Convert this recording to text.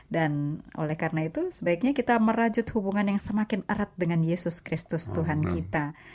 dan oleh karena itu sebaiknya kita merajut hubungan yang semakin erat dengan yesus kristus tuhan kita